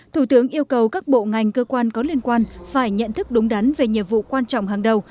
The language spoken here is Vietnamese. thủ tướng yêu cầu các bộ ngành cơ quan có liên quan phải nhận thức đúng đắn về nhiệm vụ quan trọng hàng đầu